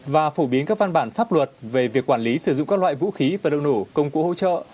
và phổ biến các văn bản pháp luật về việc quản lý sử dụng các loại vũ khí và đồng nổ công cụ hỗ trợ